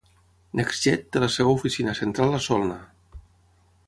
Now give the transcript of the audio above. NextJet té la seva oficina central a Solna.